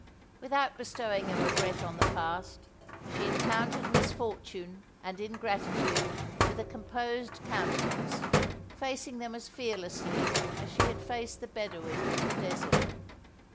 Without bestowing a regret on the past, she encountered misfortune and ingratitude with a composed countenance, facing them as fearlessly as she had faced the Bedawun of the desert.